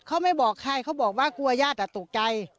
เขาไม่บอกใครเขาบอกว่ากลัวญาติตกใจ